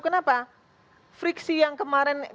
kenapa friksi yang kemarin